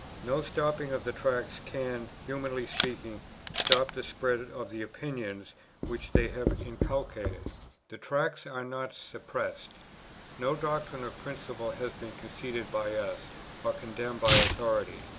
No stopping of the Tracts can, humanly speaking, stop the spread of the opinions which they have inculcated. "The Tracts are not suppressed. No doctrine or principle has been conceded by us, or condemned by authority.